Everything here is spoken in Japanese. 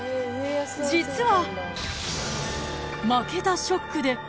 ［実は］